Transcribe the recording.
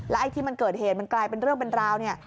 ไอ้ที่มันเกิดเหตุมันกลายเป็นเรื่องเป็นราวเนี่ย